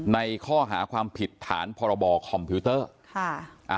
ในข้อหาความผิดฐานพรบคอมพิวเตอร์